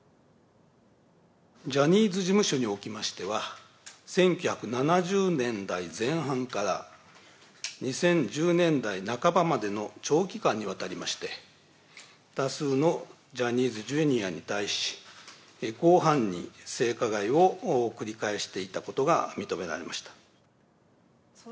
ジャニーズ事務所におきましては、１９７０年代前半から２０１０年代半ばまでの長期間にわたりまして、多数のジャニーズＪｒ．に対し広範に性加害を繰り返していたことが認められました。